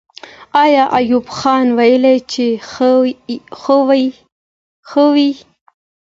آیا ایوب خان وویل چې ښه وایي؟